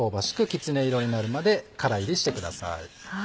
きつね色になるまで空炒りしてください。